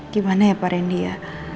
gimana ya pak randy ya